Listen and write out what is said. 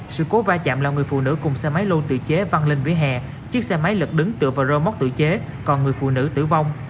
sự cố va chạm là người phụ nữ cùng xe máy lô tự chế văng lên vỉa hè chiếc xe máy lực đứng tựa vào rơ móc tự chế còn người phụ nữ tử vong